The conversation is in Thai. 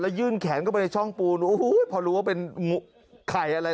ยื่นแขนเข้าไปในช่องปูนโอ้โหพอรู้ว่าเป็นไข่อะไร